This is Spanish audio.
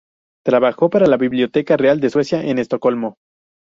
Trabajó para Biblioteca Real de Suecia, en Estocolmo.